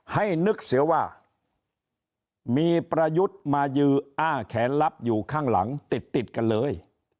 ให้นึกเสียว่ามีประยุทธ์มายืออ้าแขนลับอยู่ข้างหลังติดติดกันเลย